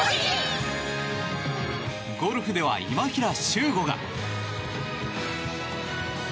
ゴルフでは今平周吾が。